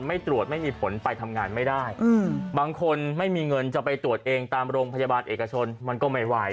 ไม่ตรวจไม่มีผลไปทำงานไม่ได้บางคนไม่มีเงินจะไปตรวจเองตามโรงพยาบาลเอกชนมันก็ไม่ไหว